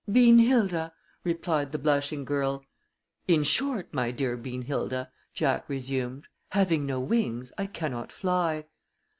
"Beanhilda," replied the blushing girl. "In short, my dear Beanhilda," Jack resumed, "having no wings, I cannot fly."